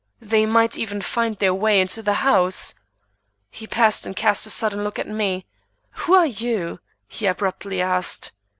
They might even find their way into the house." He paused and cast a sudden look at me. "Who are you?" he abruptly asked.